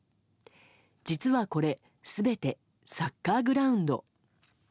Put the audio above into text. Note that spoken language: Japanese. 実はこれ全てサッカーグラウンド。